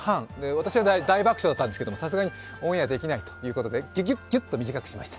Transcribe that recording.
私は大爆笑だったんですけど、さすがにオンエアできないということでぎゅぎゅぎゅっと短くしました。